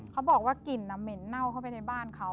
เขาบอกว่ากลิ่นเหม็นเน่าเข้าไปในบ้านเขา